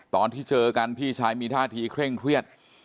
ตอนที่เจอกันพี่ชายมีท่าทีเคร่งเครียด